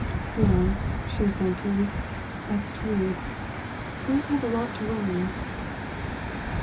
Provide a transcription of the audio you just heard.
"Yes," she assented, "that's true. Girls have a lot to learn."